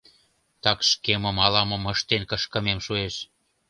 Так шкемым ала-мом ыштен кышкымем шуэш.